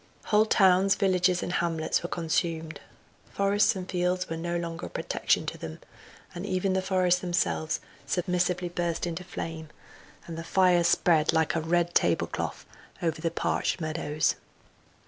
Whole towns, villages and hamlets were consumed; forests and fields were no longer a protection to them, but even the forests themselves submissively burst into flame, and the fire spread like a red table cloth over the parched meadows.